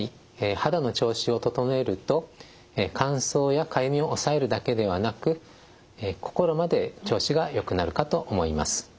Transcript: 肌の調子を整えると乾燥やかゆみを抑えるだけではなく心まで調子がよくなるかと思います。